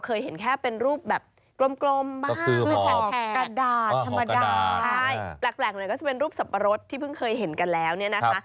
ใช่แปลกหน่อยก็จะเป็นรูปสับปะรดที่เพิ่งเคยเห็นกันแล้วเนี่ยนะคะ